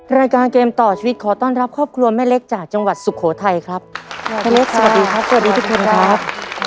รายการเกมต่อชีวิตขอต้อนรับครอบครัวแม่เล็กจากจังหวัดสุโขทัยครับแม่เล็กสวัสดีครับสวัสดีทุกคนครับ